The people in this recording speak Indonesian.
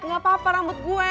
gak apa apa rambut gue